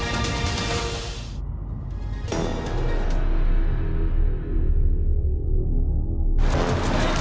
สวัสดีครับทุกคน